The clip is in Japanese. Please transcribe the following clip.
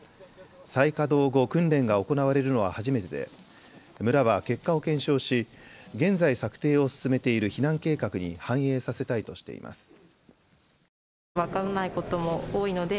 再稼働後、訓練が行われるのは初めてで村は結果を検証し現在策定を進めている避難計画に反映させたいとしています。